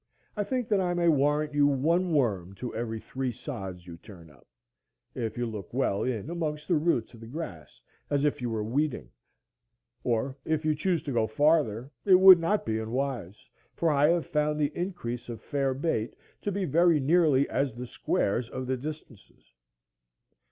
I think that I may warrant you one worm to every three sods you turn up, if you look well in among the roots of the grass, as if you were weeding. Or, if you choose to go farther, it will not be unwise, for I have found the increase of fair bait to be very nearly as the squares of the distances.